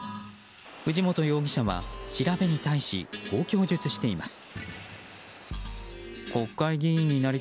藤本容疑者は調べに対しこう供述しています。